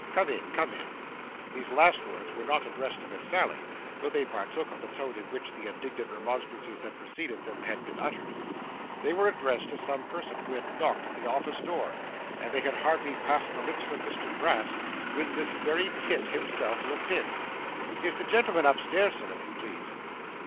Come in, come in!' These last words were not addressed to Miss Sally, though they partook of the tone in which the indignant remonstrances that preceded them had been uttered. They were addressed to some person who had knocked at the office door; and they had hardly passed the lips of Mr Brass, when this very Kit himself looked in. 'Is the gentleman up stairs, sir, if you please?